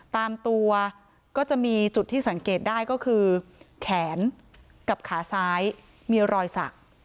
ตามตัวก็จะมีจุดที่สังเกตได้ก็คือแขนกับขาซ้ายมีรอยสัก